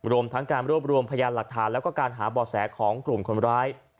รวมทั้งการรวบรวมพยานหลักฐานแล้วก็การหาบ่อแสของกลุ่มคนร้าย